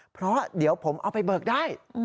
เพราะเดี๋ยวผมเอาไปเบิกได้